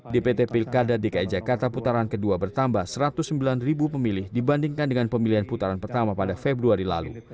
dpt pilkada dki jakarta putaran kedua bertambah satu ratus sembilan pemilih dibandingkan dengan pemilihan putaran pertama pada februari lalu